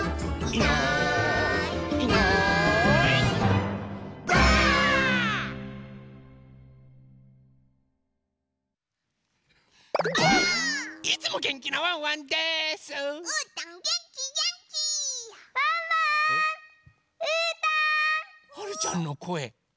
はるちゃんのこえ。